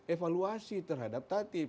evaluasi terhadap tatib